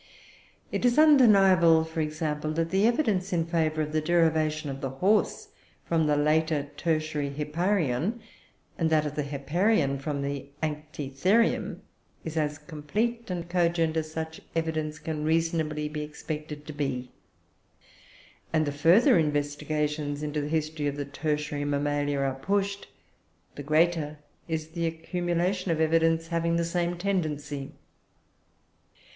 It is undeniable, for example, that the evidence in favour of the derivation of the horse from the later tertiary Hipparion, and that of the Hipparion from Anchitherium, is as complete and cogent as such evidence can reasonably be expected to be; and the further investigations into the history of the tertiary mammalia are pushed, the greater is the accumulation of evidence having the same tendency.